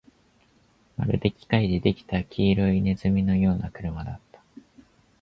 まるで機械で出来た黄色い鼠のような車だった